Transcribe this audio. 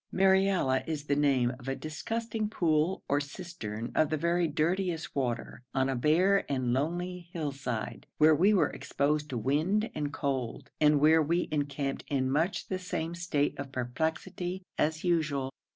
Mariala is the name of a disgusting pool or cistern of the very dirtiest water, on a bare and lonely hillside, where we were exposed to wind and cold, and where we encamped in much the same state of perplexity as usual.